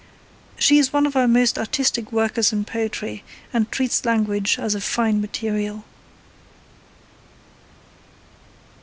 She is one of our most artistic workers in poetry, and treats language as a fine material.